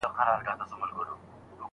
زوی له پلار څخه خبره نه وه پټه کړې.